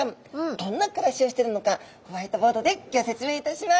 どんな暮らしをしてるのかホワイトボードでギョ説明いたします。